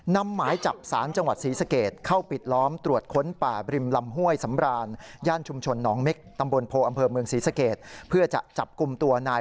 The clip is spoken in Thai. นำหมายจับศาลจังหวัดศรีสเกตเข้าปิดล้อมตรวจค้นป่าบริมลำห้วยสำราญ